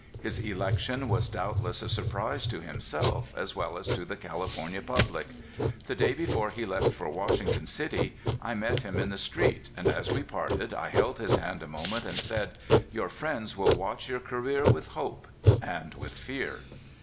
His election was doubtless a sur prise to himself, as well as to the California pub lic. The day before he left for Washington City, I met him in the street, and as we parted I held his hand a moment, and said: "Your friends will watch your career with hope and with fear."